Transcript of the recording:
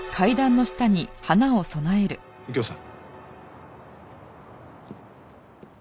右京さん。